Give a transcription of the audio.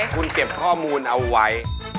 คุณเก็บข้อมูลเอาไว้